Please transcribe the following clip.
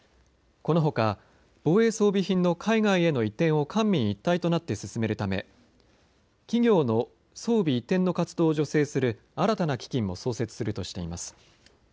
このほか防衛装備品の海外への移転を官民一体となって進めるため企業の装備移転の活動を助成する新たな基金も創設するとしています。